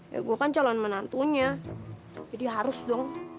ya gue kan calon menantunya jadi harus dong